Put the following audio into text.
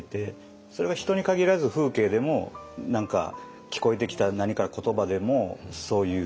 それが人に限らず風景でも聞こえてきた何かの言葉でもそういう。